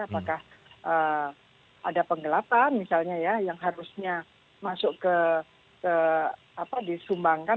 apakah ada penggelapan misalnya ya yang harusnya masuk ke disumbangkan